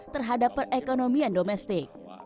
terhadap perekonomian domestik